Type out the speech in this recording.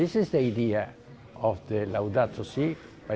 ini adalah ide laudato si'i oleh bapak